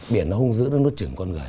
biển nó không giữ được nước trưởng con người